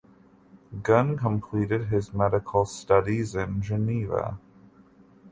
Gunn completed his medical studies in Geneva.